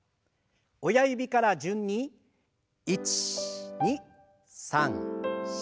親指から順に１２３４